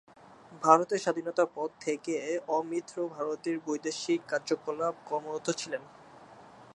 ভারতের স্বাধীনতার পর থেকে আমৃত্যু ভারতের বৈদেশিক কার্যালয়ে কর্মরত ছিলেন।